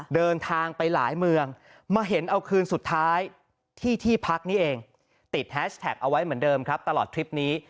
เดินทางไปหลายเมืองมาเห็นเอาคืนสุดท้ายที่ที่พักนี้เองติดแฮชแท็กเอาไว้เหมือนเดิมครับตลอดทริปนี้